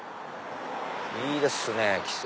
いいですね！